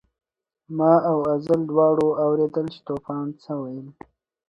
ما او ازل دواړو اورېدل چي توپان څه ویل